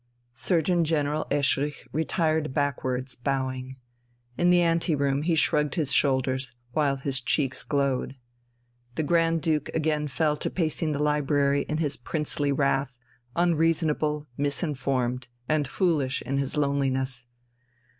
Surgeon General Eschrich retired backwards, bowing. In the ante room he shrugged his shoulders, while his cheeks glowed. The Grand Duke again fell to pacing the library in his princely wrath, unreasonable, misinformed, and foolish in his loneliness.